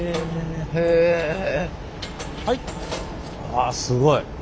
あすごい。